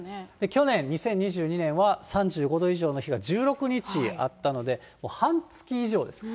去年２０２２年は、３５度以上の日が１６日あったので、半月以上です。